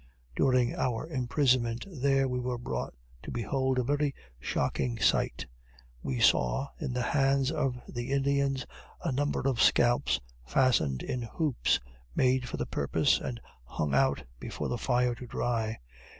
During our imprisonment here, we were brought to behold a very shocking sight. We saw, in the hands of the Indians, a number of scalps fastened in hoops made for the purpose and hung out before the fire to dry.